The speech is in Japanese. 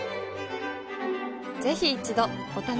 ぜひ一度お試しを。